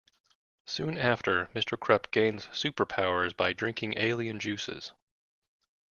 Soon after, Mr. Krupp gains superpowers by drinking alien juices.